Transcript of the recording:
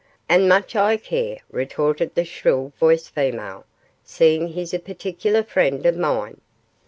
'And much I care,' retorted the shrill voiced female, 'seeing he's a particular friend of mine.